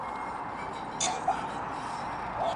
موږ وينو چي په ځينو هېوادونو کي